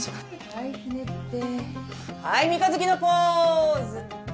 はいひねってはい三日月のポーズ。